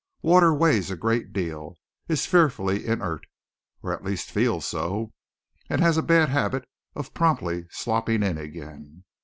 Water weighs a great deal; is fearfully inert, or at least feels so; and has a bad habit of promptly slopping in again.